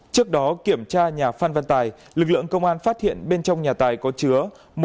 trước đó kiểm tra nhà phan văn tài lực lượng công an phát hiện bên trong nhà tài có chứa